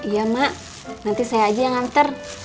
ya mak nanti saya aja yang nganter